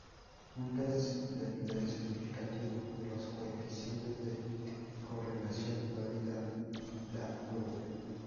Un test del nivel significativo de los coeficientes de correlación valida la prueba.